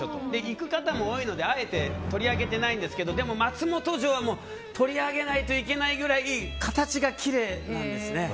行く方も多いのであえて取り上げてないんですがでも松本城は取り上げないといけないぐらい形がきれいなんですね。